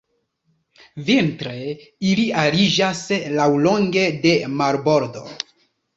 Vintre ili ariĝas laŭlonge de marbordo.